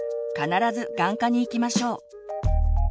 必ず眼科に行きましょう。